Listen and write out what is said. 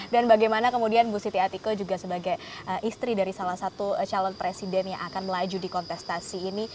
dan bagaimana kemudian ibu siti atiko juga sebagai istri dari salah satu calon presiden yang akan melaju di kontestasi ini